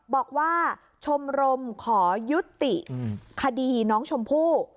บอกว่าชมรมขอยุติคดีน้องชมพู่